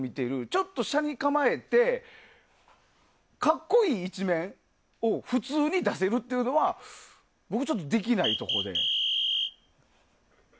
ちょっと斜に構えて格好いい一面を普通に出せるというのは僕、できないとこで。